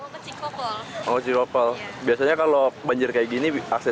pemadam kebakaran yang bantu buat nyeberangin tapi ini nggak ada